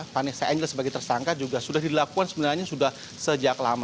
vanessa angel sebagai tersangka juga sudah dilakukan sebenarnya sudah sejak lama